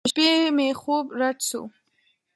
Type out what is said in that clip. د شپې مې خوب رډ سو.